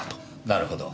なるほど。